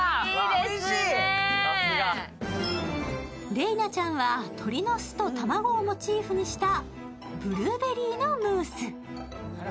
れいなちゃんは鳥の巣と卵をモチーフにしたブルーベリーのムース。